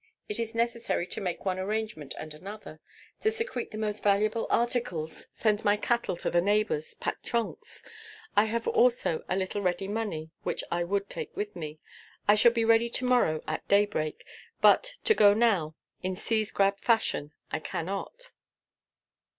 It is necessary to make one arrangement and another, to secrete the most valuable articles, send my cattle to the neighbors, pack trunks. I have also a little ready money which I would take with me. I shall be ready to morrow at daybreak; but to go now, in seize grab fashion, I cannot."